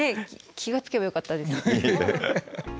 気が付けばよかったです。